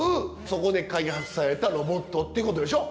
そこで開発されたロボットってことでしょ。